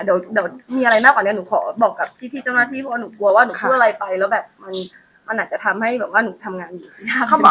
เดี๋ยวมีอะไรมากกว่านี้หนูขอบอกกับพี่เจ้าหน้าที่เพราะหนูกลัวว่าหนูพูดอะไรไปแล้วแบบมันอาจจะทำให้แบบว่าหนูทำงานอยู่